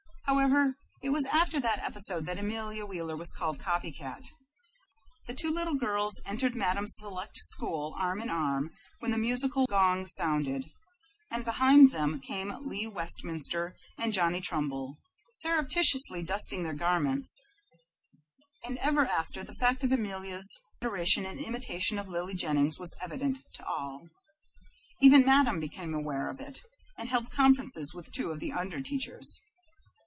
However, it was after that episode that Amelia Wheeler was called "Copy Cat." The two little girls entered Madame's select school arm in arm, when the musical gong sounded, and behind them came Lee Westminster and Johnny Trumbull, surreptitiously dusting their garments, and ever after the fact of Amelia's adoration and imitation of Lily Jennings was evident to all. Even Madame became aware of it, and held conferences with two of the under teachers.